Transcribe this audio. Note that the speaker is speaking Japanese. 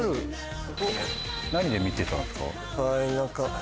・何で見てたんですか？